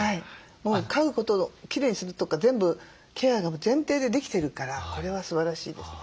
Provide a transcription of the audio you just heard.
もう飼うことのきれいにするとか全部ケアが前提でできてるからこれはすばらしいですね。